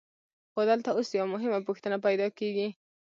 خو دلته اوس یوه مهمه پوښتنه پیدا کېږي